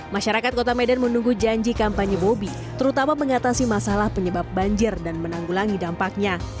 masyarakat kota medan menunggu janji kampanye bobi terutama mengatasi masalah penyebab banjir dan menanggulangi dampaknya